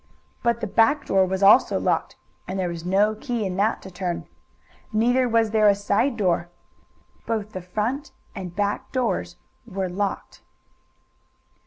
But the back door was also locked and there was no key in that to turn. Neither was there a side door. Both the front and back doors were locked.